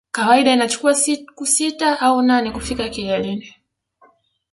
Kawaida inachukua siku sita au nane kufika kileleni